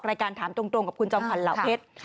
รายการถามตรงกับคุณจอมขวัญเหล่าเพชร